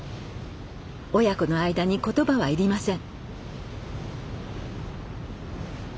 親子の間に言葉は要りません。